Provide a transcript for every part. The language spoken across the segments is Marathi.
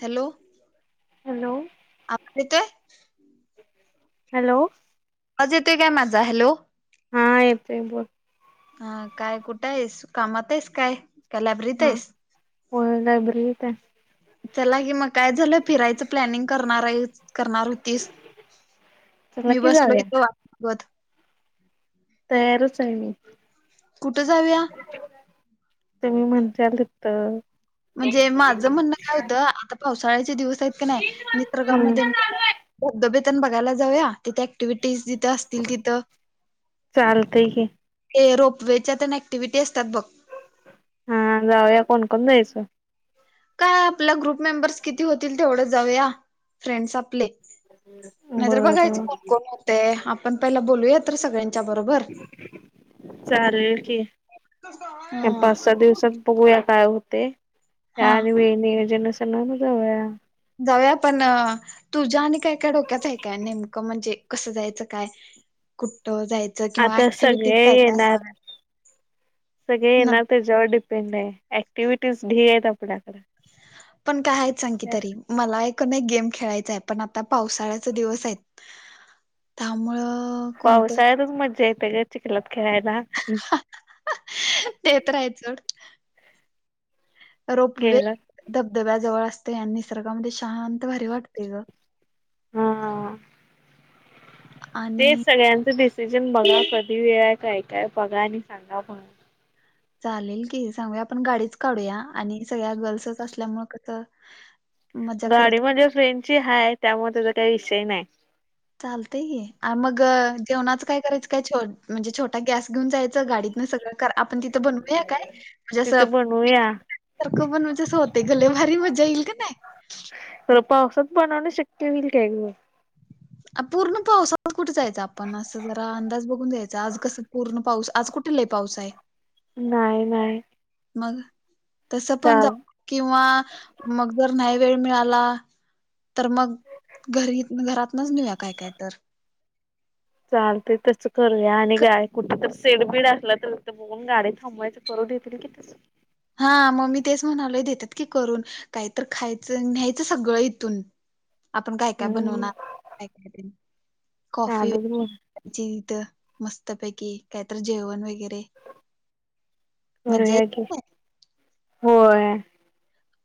हॅलो हॅलो आ [inaudible] ते हॅलो. अजे ते [inaudible] माझा हॅलो. हा येतोय बोल. हा काय कुठं आहेस कामात आहेस काय? लॅबररीत हा आहेस? होय लायब्ररीत आहे चला की मग. काय झालं फिरायचं प्लॅनिंग करणार आहेस करणार होतीस? चला मी की बसलो जाऊया इथ वागत तेयारच आहे मी. कुठं जाऊया? तुम्ही म्हणतात फक्त. म्हणजे माझं म्हणणं काय होतं आता पावसाळ्याचे दिवस आहेत का नाही हम्म मित्रगामध्ये धबधबे तन बघायला जाऊया. ऍक्टिव्हटीज जिथं असतील तिथं. चालतय की ते रोपवेच्या तर नक्टिव्हिटी असतात बघ. हा जाऊया कोणकोण जाऊया? काय आपला ग्रुप मेंबर्स किती होतील तेवढं जाऊया फ्रेंडस आपले. नाहीतर बघायच बरं कोण कोण होते आपण पहिला बोलूया तर सगळ्यां. चालेल की पाच ह सहा दिवसात बघूया काय होते त्या हा आणि वेणे जन सनावून जाऊया. जाऊया पण तुझ्या आणि काय काय डोक्यात आहे काय नेमकं म्हणजे कसं जायचं काय. कुठ्टठ जायत. आता सगळे येणार सगळे ना येणार त्या त्यावर डिपेंड आहे क्टिव्हटीज ढी आहेत आपल्याकडे. पण काय आहेत सांग की तरी मला एकण एक गेम खेळायचा आहे पण आता पावसाळ्याचा दिवस आहे. त्यामुळे. पावसाळ्यातच मजा येते ग चिखलात खेळायला. ते तर आहेत सोड. रोपवे गेलं धबधब्याजवळ असते आणि निसर्गामध्ये शांत भारी वाटते ग. हा. आणि तेच सगळ्यांचं डिसिजन बघा कधी वेळ काय काय बघा आणि सांगा बघ. चालेल की सांगूया आपण गाडीच काढूया आणि सगळ्या गर्ल्सच असल्यामुळे कस. गाडी म्हणजे फ्रेंड ची आहे त्यामुळे त्याचा काही विषय नाही. चालत मग जेवणाचं काय करायचं काय म्हणजे छोटा गॅस घेऊन जायचं गाडीतन सगळं आपण तिथं बनवूया काय म्हणजे असं तिथं बनवूया सर्क पण म्हणजेस होते गले भारी मजा येईल का नाही. तर पावसात बनवणं शक्य होईल काय ग. पूर्ण पाऊस आज कुठे जायचा आपण असं जरा अंदाज बघून जायचा आज कसं पूर्ण पाऊस आज कुठे कुठे लय पावसा आहे. नाही नाही. मग तस पण चाल किंवा मग जर नाही वेळ मिळाला. तर मग घरी घरातनच नेऊया काय काय तर. चालते तस करूया आणि गा कुठे तर सीडबीड असला तर बघून गाडी थांबवायच करू दे त [inaudible] हा म मी तेच म्हणाले देतात की करून. काहीत खायचं न्यायचं सगळं इथून. आपण काय काय बनव हम्म कॉफी चालल मग त्या इथं मस्त पैकी काहीत जेवण वगैरे मज्जा करूया की येईल होय.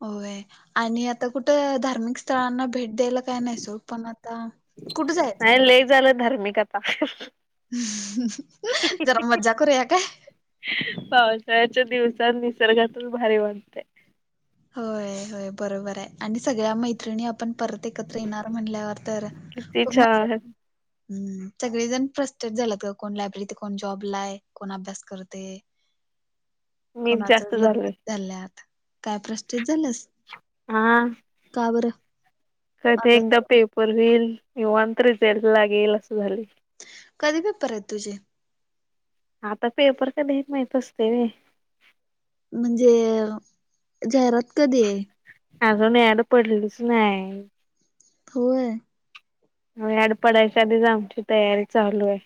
होय आणि आता कुठं धार्मिक स्थळांना भेट द्यायला. काय नाही सोड पण आता कुठे जायचं नाही मुला लय झालं धार्मिक आता. जरा मजा कर या काय. पावसाळ्याच्या दिवसात निसर्गातून भारी बनते. होय होय बरोबर आहे आणि सगळ्या मैत्रिणी आप आपण परत एकत्र येणार म्हणल्यावर तर किती खूप मजा. छान हम्म सगळेजण फस्टर झालं कोण लायब्ररीत कोण जॉबलाय कोण अभ्यास करते. [inaudible] मीच कोणाच जास्त लग्न झालोय झाल्यात काय प्रशित झालंस. हा. का बर. क ते एकदा पेपर होईल कवन तर रिझल्ट लागेल असं झाले. कधी पेपर आहेत तुझे आता पेपर कध्या माहत असते र म्हणजे जाहिरात कधी आहे अजूनून याड पडलेलीच नाही होय ड पडायच्या आधीच आमची तयारी चालू आहे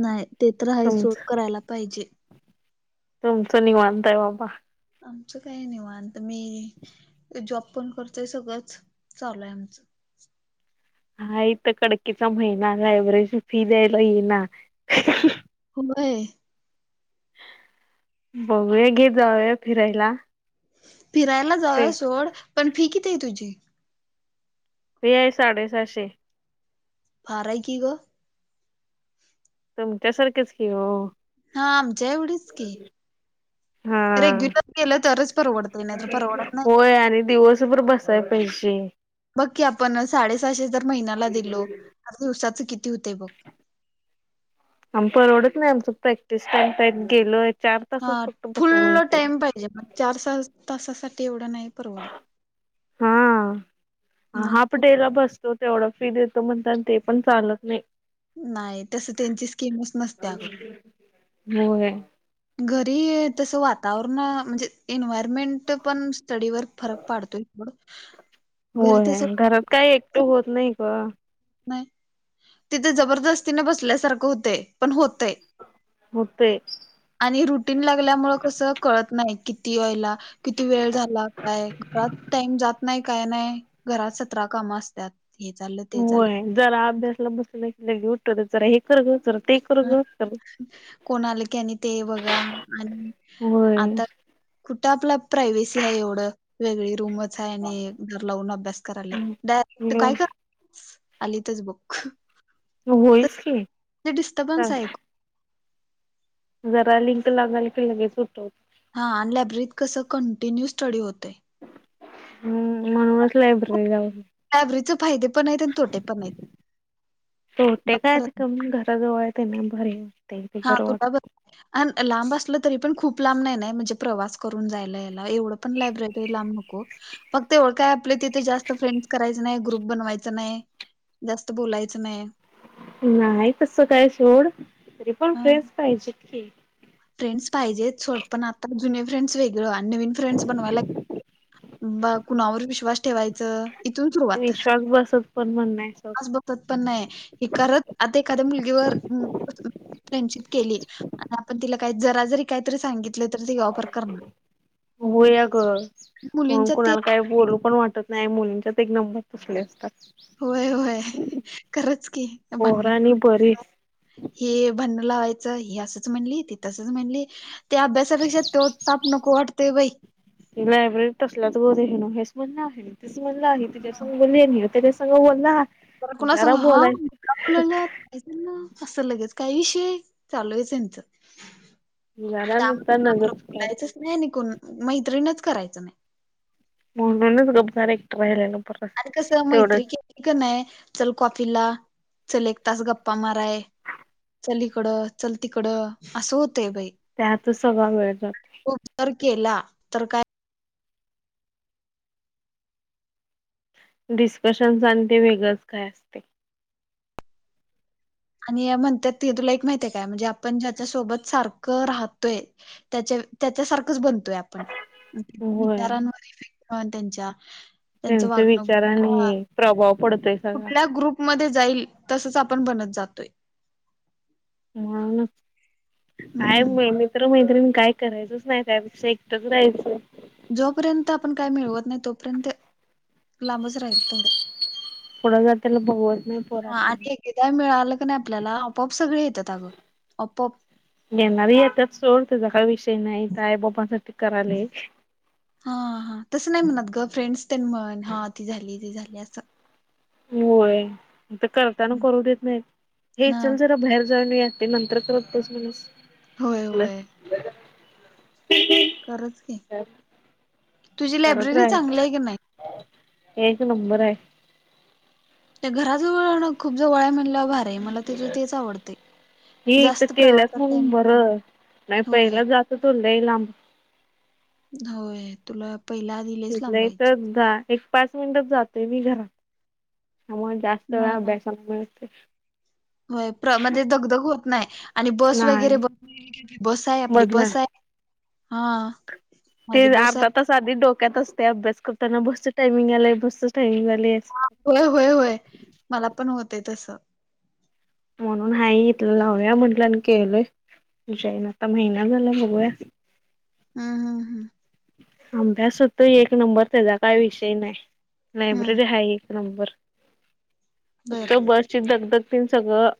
नाही ते तर आहे सोड तुमच करायला पाहिजे तुमच निग मातायवबा आमचं काही नाही वात मी जॉब पण करतोय सगळंच चालू आहे आमचं हा इथ कडकेचा महिना लायब्रेज फी द्यायला येईना होय बघूया घेत जाऊया फिरायला फिरायला जाव फी सोड पण फी किती आहे तुझी व्याय साडेसहाशे पायक ग तुमच्यासारखेच घ हा आमच्या एवढीच की हा रेग्युलर केलं तरच परवडतय नाही तर परवडत नाही होय आणि दिवसभर बस आहे पहिजे बघ की आपण साडेसहाशे तर महिन्याला दिलो दिवसाचं किती होतंय बघ आम् परवडत नाही आमच प्रॅक्टिस टाइमत गेलोय चार तासच फक्त बसायलाळते त्या मग चार तासासाठी एवढं नाही परवडत हा हा मग फु- आपटला बस तो तेवढा फी देतो म्हणता आणि ते पण चालत नाही नाही तस त्यांची स्कीमच नसते अगो हो घरी तसं वातावरण म्हणजे एन्वयरमेंट पण स्टडीवरर फरक पाडतोय थोडं होय घरात काही एकक्टिव्ह होत नाही का नाही तिथे जबरदस्तीने बसल्यासारखं होते पण होतय होतय. आणि रुटीन लागल्यामुळे कसं कळत नाही किती व्हायला किती वेळ झाला काय घात टाईम जात नाही काय नाही घरात सतरा काम असत हे चाललं ते चाललं होय जरा अभ्यासला बस घेऊ जरा हे कर ज ते कर ग तर कोणा आलं की आणि ते बघा आणि होय आता कुठं आपला प्रायव्सी आहे एवढं वेगळी रूमच आहे आणि घर लावून अभ्यास करायला डायरेक्ट काय कर आली तरच बुक होईसली डिस्टर्बनस आहे जरा लिंक लागाल की लगेच सुटतव हा लॅब्ररीत कसं कंटिन्यू स्टडी होतं हम्म म्हणूनच लायब्ररी जाऊ फॅब्रिकचे फाये पण आहेत आणि तोटे पण नाहीत तोटे काय आता कम घराजवळ हाय त्यामुळं, बर. हा तुला ब अन लांब असलं तरी पण खूप लांब नाही ना, नाही म्हणजे प्रवास करून जायला यायला एवढं? पण लायब्ररी लांब नको. फक्त ते एवळ काय आपले तिथे जास्त फ्रेंड्स करायच नाही, ग्रुप बनवायचं नाही. जास्त बोलायचं नाही. नाही तस काय सोड, तरी पण हां, फ्रेंस पाहिजे केक. फ्रेंड्स पाहिजेत सोड, पण आता जुने फ्रेंड्स वेगळं आन नवीन फ्रेंड्स बनवायला, बा कुणावर विश्वास ठेवायचं? इथून विश्वास बसत, पण म्हण नाही. सोड विश्वास पण नाही, हे करत आता एखाद्या मुलगीवर म [unintelligible] फ्रेंडशप केली, आणि आपण तिला काई जरा, जरी काहीतरी सांगित होय अग, म्हणून मुलींच्यात ते कुणाला काय बोलू पण वाटत नाही मुलींचा त एक नंबर कसले असतात. होय होय खरंच की, पोर भांडन. आणि बरी हे भांडण लावायचं, हे असंच म्हणली, ति तसंच म्हणली. ते अभ्यासापेक्षा तो ताप नको वाटतय, बाई. ते लायब्ररीत तसल्याच [unintelligible] हेच म्हणल आहे, तेच म्हणलं आणि तिच्यास हं. बोली, हे त्याच्या ग बोलला, तर जरा बोलायच. [unintelligible] ना असं लगेच, काही विषय चालूये त्यांचं. जरा त्यामुळे नुसता कुणा नगच बरोबर बोलायचं नाई अणि कोण मैत्रिणच करायचं नाही. म्हणूनच गप रायलेलं, एकटं रायलेलं बरं, तेवढच क नाय, चल कॉफीला, चल एक तास गप्पा माराया. चल ईकडं, चल तिकडं, असं होतय बाई. त्यातच सगळा वेळ जातोय. [unintelligible] तर केला, तर काय डिस्कशन आन ते वेगळंच काय असते. आणि म्हणत्यात ते तुला एक माहितीये काय? म्हणजे आपण ज्याच्यासोबत सारखं राहतोय त्याच्या-त्याच्यासारखंच बनतोय आपण. होय विचारांवर [unintelligible] त्यांच्या. त्यांचं त्यांच्या वागणं हा विचारानी प्रभाव पडतोय. सगळा कुठल्या ग्रुप मध्ये जाईल, तसच आपण बनत जातोय. म्हणूनच, काय हम्म मि-मीत्र, मैत्रिन काय करायचंच नाही, त्यापेक्षा एकटच राहायचं. जोपर्यंत आपण काय मिळवत नाही, तोपर्यंत लांबच राहायचं थोडं. पुडं जात्याला बघवत नही. हां आणि एकदा मिळालं क नाई आपल्याला, आपोआप सगळे येतात अगं, आपोआप. येेणारी येत्याच सोड, त्याचा काही विषय नाही, इथं आई बांपासाठी करायले. हा हा, तसं नाही म्हणत ग, फ्रेंड्स तेन म्हण, हां ती झाली, ति झाली असं. होय तर करत्याना हम्म. करू देत नाही, हे ना चल जरा बाहेर जाऊन येऊ या. ते नंतर करत होय [unintelligible] आपलं होय [unintelligible] खरंच कीं. करत रहायचं, एक नंबर हाय. त्या घरा गार्डन खूप जवळया म्हणल्यावर भारी, मला तिथ तेच आवडतय. हे हीथ केलंच म्हणून बरं, नाही होय पहिला जातो यो लई लांब होय तुला पहिला आधी लईच इथल्या लांब जायची इथं अ एक पाच मिनिटत जातोय मी घरात जास्त वेळ हा अभ्यासाला मिळतोय. होय प्रमध्ये दगदग होत नाही आणि बस वगैरे नाही बस बस आहे आपली बदला बस हाय हा ते माझी बस आहे अर्धा तास आधी डोक्यात असतयं अभ्यास करताना बसच टायमिंग आलंय बसच टायमिंग आलय. होय-होय-होय, मला पण होतंय तसं. म्हणून हाय इथलं लावूया म्हंटलं आणि केलंय जॉईन आता महिना झाला बघूया. हम्म-हम्म-हम्म अभ्यास होतोय एक नंबर त्याचा काही विषय नाही हम्म लायब्ररी आहे एक नंबर. बर फक्त बसची दगदग तेन सगळं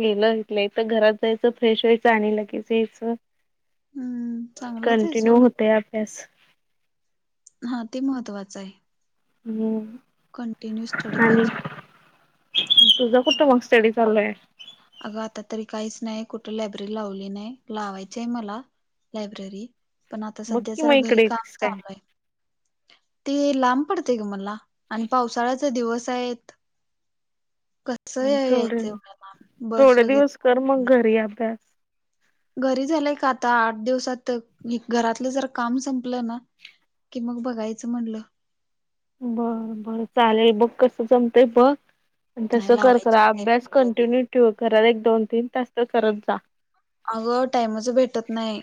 गेलं इथल्या इथं घरात जायचं फ्रेश व्हायचं आणि लगेच यायचं. हम्म चांगलंच आहे कंटिन्यू सोड होतोय अभ्यास. हा ते महत्वाचं आहे. हम्म कंटिन्यू स्टडी आणि पाहिजे. तुझा कुठं मग स्टडी चालू आहे? अगं आता तरी काहीच नाही कुठे लायब्ररी लावली नाही लावायचं आहे मला लायब्ररी पण आता बघ सध्या की जरा मग घरी इकडे काम येतीस काय चालू आहे. ते लांब पडतंय गं मला आणि पावसाळ्याचं दिवस आहेत कसं कसं गं थोडे यायचं एवढ्या लांब बस थोडे वगैरे दिवस नाही, कर काय मग घरी अभ्यास. घरी झालंय का आता आठ दिवसात घरातलं जर काम संपलं ना कि मग बघायचं म्हणलं. बर बर चालेल बघ कसं जमतंय बघ आणि नाही तसं कर खर लावायची काय अभ्यास लायब्ररी कंटिन्यू ठेव घरात एक दोन तीन तास तर करत जा. अगं टाइमच भेटत नाही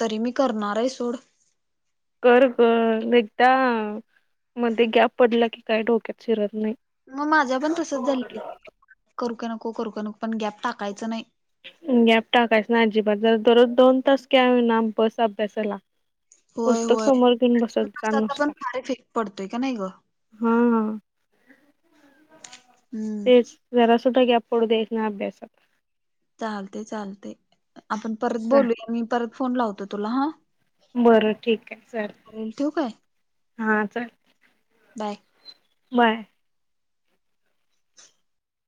तरी मी करणार आहे सोड. कर गं एकदा मध्ये गॅप पडला की काय डोक्यात शिरत नाही. मग माझ पण तसच झालंय की करू का नको करू का नको पण गॅप टाकायचं नाही. गॅप टाकायच नाही अजिबात दररोज दोन तास का होईना बस अभ्यासाला. होय पुस्तक होय समोर घेऊन बसत जा नसाचा पण नुसता. फार इफेक्ट पडतोय का नाही ग हम्म, हम्म तेच जरा सुद्धा गॅप पडू द्यायचा नाही अभ्यासात. चालतंय चालतंय आपण परत बोलूया मी परत फोन लावतो तुला हा. बरं ठीक आहे चल चालेल ठेवू काय हा चल. Bye bye.